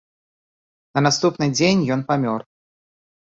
На наступны дзень ён памёр.